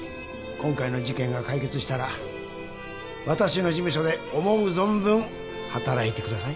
今回の事件が解決したら私の事務所で思う存分働いてください